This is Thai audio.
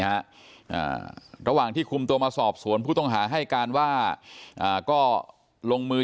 อ่าระหว่างที่คุมตัวมาสอบสวนผู้ต้องหาให้การว่าอ่าก็ลงมือ